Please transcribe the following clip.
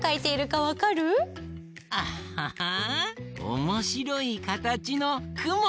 おもしろいかたちのくも！